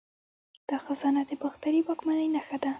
دا خزانه د باختري واکمنۍ نښه ده